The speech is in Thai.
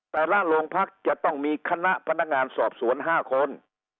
แต่ละโรงพักจะต้องมีคณะพนักงานสอบสวน๕คน